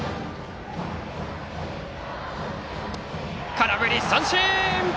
空振り三振。